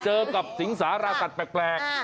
เจอกับสิงสารสัตว์แปลก